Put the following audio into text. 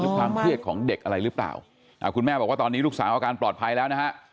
ความเครียดของเด็กอะไรหรือเปล่าคุณแม่บอกว่าตอนนี้ลูกสาวอาการปลอดภัยแล้วนะฮะ